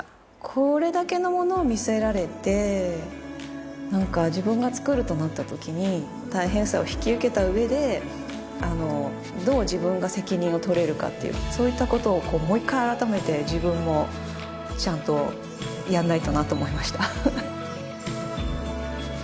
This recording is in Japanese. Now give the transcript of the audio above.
これだけのものを見せられて自分が作るとなったときに大変さを引き受けた上でどう自分が責任をとれるかってそういったことをもう一回改めて自分もちゃんとやんないとなと思いました